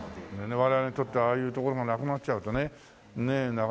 我々にとってはああいう所がなくなっちゃうとねなかなか。